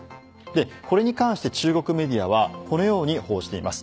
これに関して中国メディアはこのように報じています。